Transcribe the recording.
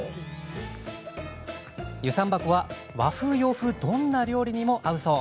遊山箱は和風洋風どんな料理にも合うそう。